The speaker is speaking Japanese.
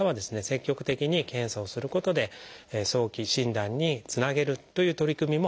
積極的に検査をすることで早期診断につなげるという取り組みも始まっています。